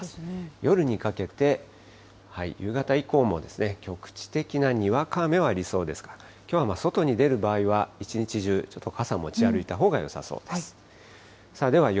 夜にかけて、夕方以降も、局地的なにわか雨はありそうですから、きょうは外に出る場合は、一日中、ちょっと傘持ち歩いたほうがよさそうです。